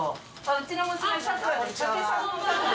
うちの娘が。